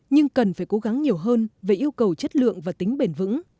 nhưng cần phải cố gắng nhiều hơn về yêu cầu chất lượng và tính bền vững